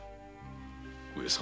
上様。